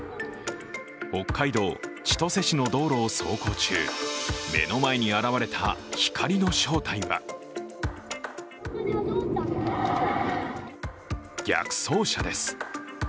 北海道千歳市の道路を走行中目の前に現れた光の正体は逆走車です。